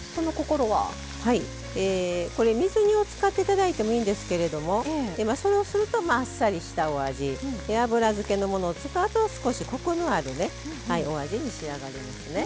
これ水煮を使って頂いてもいいんですけれどもそれをするとあっさりしたお味油漬けのものを使うと少しコクのあるお味に仕上がりますね。